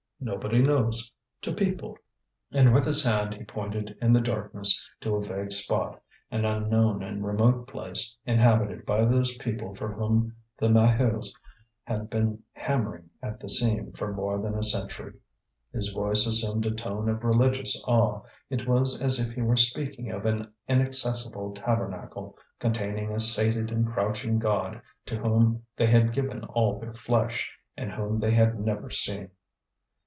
Nobody knows. To people." And with his hand he pointed in the darkness to a vague spot, an unknown and remote place, inhabited by those people for whom the Maheus had been hammering at the seam for more than a century. His voice assumed a tone of religious awe; it was as if he were speaking of an inaccessible tabernacle containing a sated and crouching god to whom they had given all their flesh and whom they had never seen.